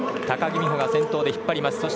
高木美帆が先頭で引っ張ります。